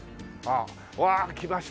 うわあ来ました。